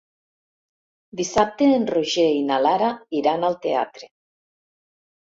Dissabte en Roger i na Lara iran al teatre.